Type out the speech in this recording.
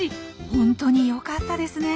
本当によかったですねえ。